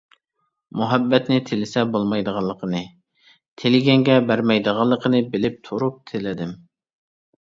مۇھەببەتنى تىلىسە بولمايدىغانلىقىنى، تىلىگەنگە بەرمەيدىغانلىقىنى بىلىپ تۇرۇپ تىلىدىم.